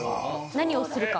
何をするか？